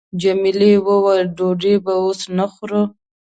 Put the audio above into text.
جميلې وويل:، ډوډۍ به اوس نه خورو.